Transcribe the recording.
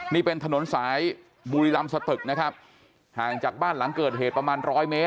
นี่เป็นถนนสายบุรีรำสตึกนะครับห่างจากบ้านหลังเกิดเหตุประมาณร้อยเมตร